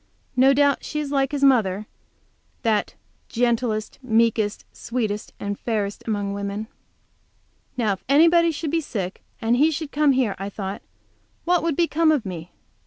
No doubt she is like his mother, that "gentlest, meekest, sweetest and fairest among women!" Now if anybody should be sick, and he should come here, I thought, what would become of me?